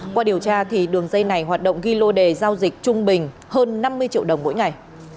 qua điều tra đường dây này hoạt động ghi lô đề giao dịch trung bình hơn năm mươi triệu đồng mỗi ngày